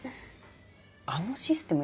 あのシステム